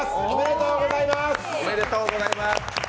おめでとうございます！